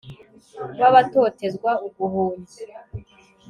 w'abatotezwa uguhungi